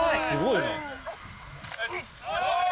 すごいな。